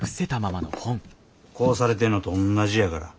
こうされてんのとおんなじやから。